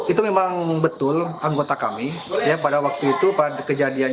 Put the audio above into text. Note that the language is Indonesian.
itu memang betul anggota kami